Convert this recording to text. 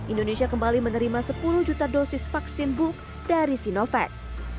indonesia kembali menerima sepuluh juta dosis vaksin book dari sinovac